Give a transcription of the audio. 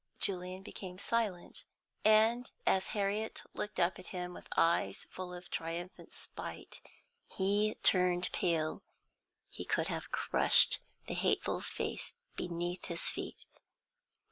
Julian became silent, and, as Harriet looked up at him with eyes full of triumphant spite, he turned pale. He could have crushed the hateful face beneath his feet.